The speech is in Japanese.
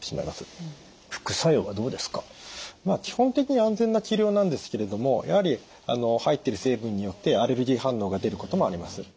基本的に安全な治療なんですけれどもやはり入っている成分によってアレルギー反応が出ることもあります。